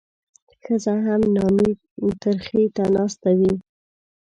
ښځه هم نامي ترخي ته ناسته وي.